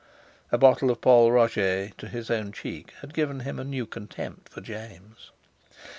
A bottle of Pol Roger to his own cheek had given him a new contempt for James.